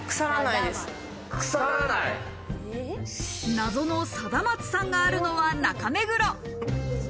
謎のサダマツさんがあるのは中目黒。